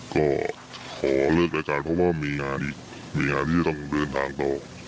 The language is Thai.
ก็ขอเลิกรายการเพราะว่ามีงานอีกมีงานที่ต้องเดินทางต่อ